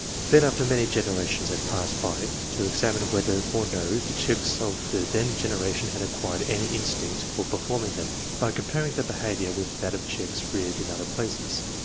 Then, after many generations had passed by, to examine whether or no the chicks of the then generation had acquired any instinct for performing them, by compar ing their behaviour with that of chicks reared in other places.